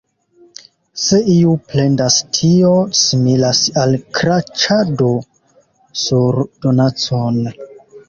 Se iu plendas, tio similas al kraĉado sur donacon.